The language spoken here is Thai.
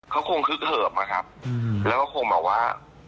เค้าคงคึกเหิบครับแล้วเค้าคงมาว่า